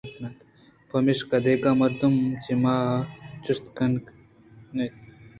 چمیشکا دگہ مردم چہ ما جست کن انت